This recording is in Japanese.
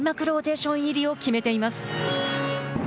ローテーション入りを決めています。